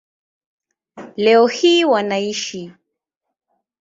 Leo hii wanaishi